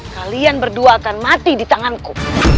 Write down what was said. kalian berdua akan mati di tanganku